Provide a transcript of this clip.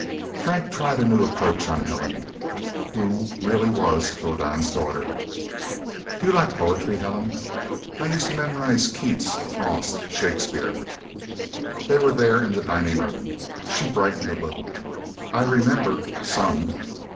Frank tried a new approach on Helen, who really was Rodan's daughter. "Do you like poetry, Helen? I used to memorize Keats, Frost, Shakespeare." They were there in the dining room. She brightened a little. "I remember some."